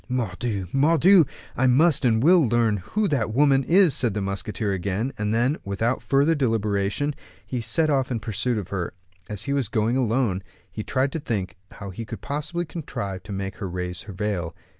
"Mordioux! Mordioux! I must and will learn who that woman is," said the musketeer again; and then, without further deliberation, he set off in pursuit of her. As he was going along, he tried to think how he could possibly contrive to make her raise her veil.